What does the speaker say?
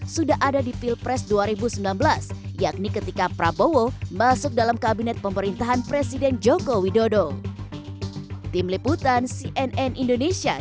sudah ada di pilpres dua ribu sembilan belas yakni ketika prabowo masuk dalam kabinet pemerintahan presiden joko widodo